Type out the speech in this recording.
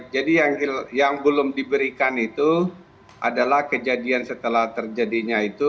jadi yang belum diberikan itu adalah kejadian setelah terjadinya itu